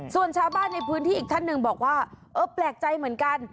ส่วนชาวบ้านในพื้นที่อีกท่านหนึ่งบอกว่าเออแปลกใจเหมือนกัน